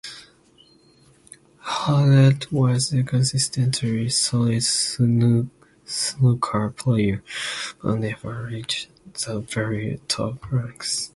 Hallett was a consistently solid snooker player, but never reached the very top ranks.